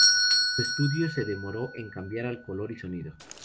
Su estudio se demoró en cambiar al color y sonido.